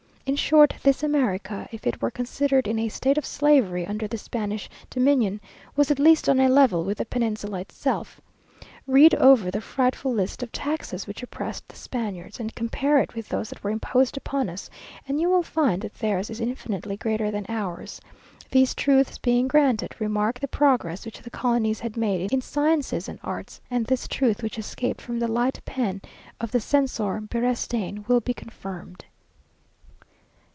In short, this America, if it were considered in a state of slavery under the Spanish dominion, was at least on a level with the peninsula itself. Read over the frightful list of taxes which oppressed the Spaniards, and compare it with those that were imposed upon us, and you will find that theirs is infinitely greater than ours. These truths being granted, remark the progress which the colonies had made in sciences and arts, and this truth which escaped from the light pen of the censor Beristain, will be confirmed.